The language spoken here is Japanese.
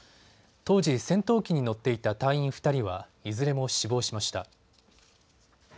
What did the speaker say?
当時、戦闘機に乗っていた隊員２人はいずれも死亡しました。